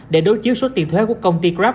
để đối chiếu số tiền thuế của công ty club